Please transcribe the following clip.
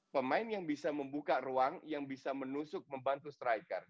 pemain yang bisa membuka ruang yang bisa menusuk membantu striker